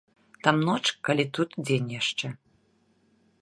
Там ноч калі, тут дзень яшчэ.